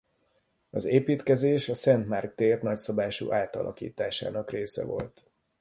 Az építkezés a Szent Márk tér nagyszabású átalakításának része volt.